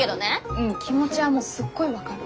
うん気持ちはもうすっごい分かる。